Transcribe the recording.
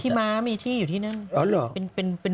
ม้ามีที่อยู่ที่นั่น